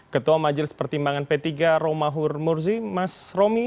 ketua majelis pertimbangan p tiga romahur murzi mas romi